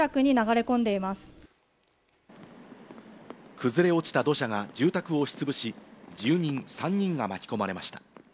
崩れ落ちた土砂が住宅を押しつぶし、住人３人が巻き込まれました。